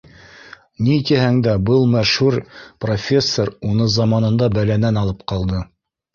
Ни тиһәң дә, был мәшһүр профессор уны заманында бәләнән алып ҡалды